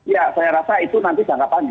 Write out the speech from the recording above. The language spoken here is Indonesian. ya saya rasa itu nanti jangka panjang